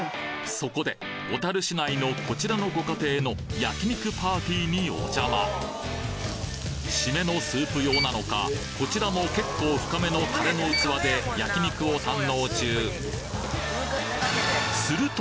そこで小樽市内のこちらのご家庭の焼き肉パーティーにお邪魔シメのスープ用なのかこちらも結構深めのタレの器で焼き肉を堪能中